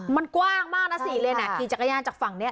มันกว้างมากน่ะสี่เลนส์อ่ะขี่จักรยานจากฝั่งเนี้ย